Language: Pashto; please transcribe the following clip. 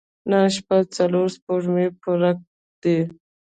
نن شپه څلور سپوږمۍ پوره دي.